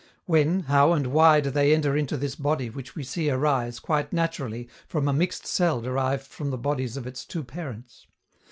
When, how and why do they enter into this body which we see arise, quite naturally, from a mixed cell derived from the bodies of its two parents?